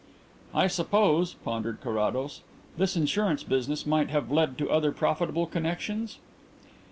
"I suppose," pondered Carrados, "this insurance business might have led to other profitable connexions?"